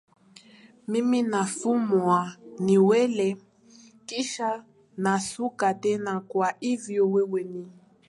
mimi nafumua nywele kisha nasuka tena kwa hivyo wewe ni